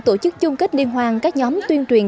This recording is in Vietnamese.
tổ chức chung kết liên hoan các nhóm tuyên truyền